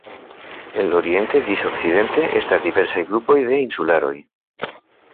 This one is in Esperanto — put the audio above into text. El oriente ĝis okcidente estas diversaj grupoj de insularoj.